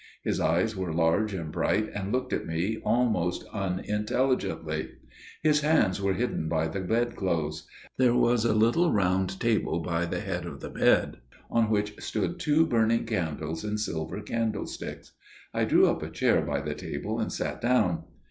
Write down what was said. His eyes were large and bright, and looked at me almost unintelligently. His hands were hidden by the bedclothes. There was a little round table by the head of the bed, on which stood two burning candles in silver candlesticks. I drew up a chair by the table and sat down.